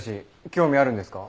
興味あるんですか？